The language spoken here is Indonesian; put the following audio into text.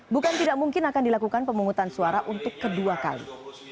bukan tidak mungkin akan dilakukan pemungutan suara untuk kedua kali